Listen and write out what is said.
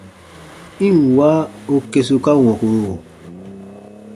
I ǹ wa u kesuka wɔ̃kuru!